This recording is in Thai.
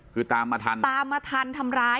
คือตามมาทันตามมาทันทำร้าย